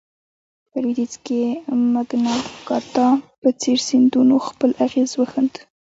په لوېدیځ کې د مګناکارتا په څېر سندونو خپل اغېز وښند.